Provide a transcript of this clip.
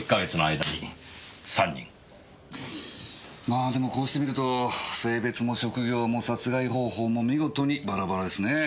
まあでもこうして見ると性別も職業も殺害方法も見事にバラバラですねぇ。